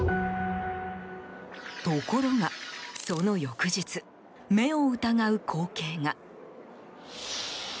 ところが、その翌日目を疑う光景が。